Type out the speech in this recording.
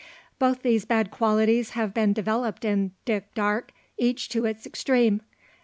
Both these bad qualities have been developed in Dick Darke, each to its extreme.